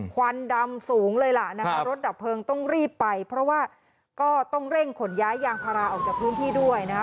ควันดำสูงเลยล่ะนะคะรถดับเพลิงต้องรีบไปเพราะว่าก็ต้องเร่งขนย้ายยางพาราออกจากพื้นที่ด้วยนะคะ